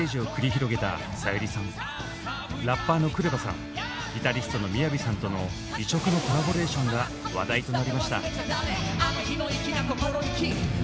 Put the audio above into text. ラッパーのＫＲＥＶＡさんギタリストのＭＩＹＡＶＩさんとの異色のコラボレーションが話題となりました。